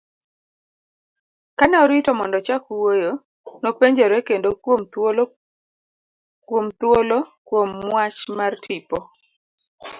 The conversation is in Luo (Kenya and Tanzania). Kane orito mondo ochak wuoyo, nopenjore kendo kuom thuolo kuom mwach mar tipo.